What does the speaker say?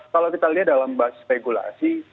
kalau kita lihat dalam bahasa regulasi